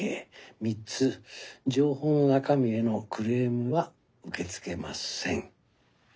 三つ情報の中身へのクレームは受け付けません。